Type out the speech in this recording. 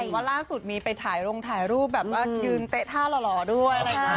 วันล่าสุดมีไปถ่ายลงถ่ายรูปแบบว่ายืนเตะท่าหล่อด้วย